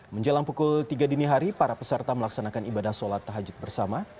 menjelang pukul tiga dini hari para peserta melaksanakan ibadah sholat tahajud bersama